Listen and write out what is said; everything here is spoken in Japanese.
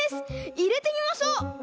いれてみましょう！